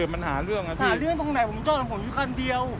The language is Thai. ถ้าเป็นอันหนึ่งไม่มีหลวง